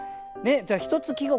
一つ季語